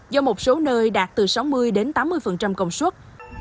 do một số nơi đạt từ sáu mươi đến tám mươi công suất